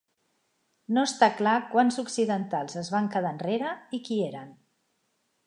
No està clar quants occidentals es van quedar enrere i qui eren.